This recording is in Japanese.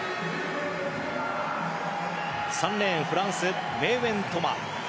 ３レーン、フランスメーウェン・トマ。